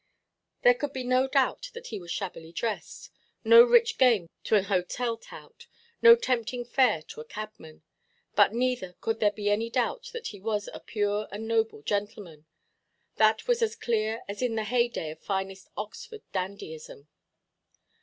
There could be no doubt that he was shabbily dressed, no rich game to an hotel–tout, no tempting fare to a cabman; but neither could there be any doubt that he was a pure and noble gentleman; that was as clear as in the heyday of finest Oxford dandyism.